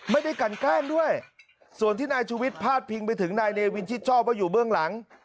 ไม่ได้กันแกล้งด้วยส่วนที่นายชุวิตพาดพิงไปถึงนายเนวินชิดชอบว่าอยู่เบื้องหลัง